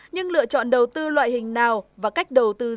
nhưng lựa chọn đầu tư loại hình nào và cách đầu tư dễ dàng